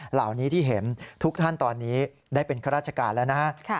เหล่านี้ที่เห็นทุกท่านตอนนี้ได้เป็นข้าราชการแล้วนะฮะ